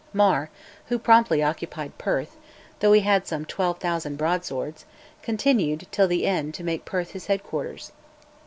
Mar, who promptly occupied Perth, though he had some 12,000 broadswords, continued till the end to make Perth his headquarters.